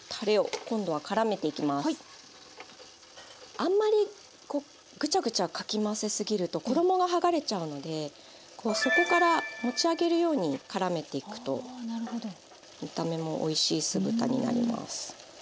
あんまりこうぐちゃぐちゃかき回せ過ぎると衣が剥がれちゃうのでこう底から持ち上げるようにからめていくと見た目もおいしい酢豚になります。